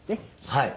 はい。